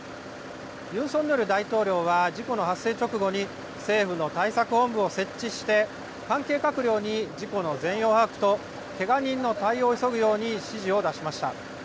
ユン・ソンニョル大統領は、事故の発生直後に、政府の対策本部を設置して、関係閣僚に事故の全容把握とけが人の対応を急ぐように指示を出しました。